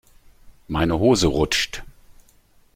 Meine Hose rutscht.